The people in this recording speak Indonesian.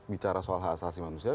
bicara soal hak asasi manusia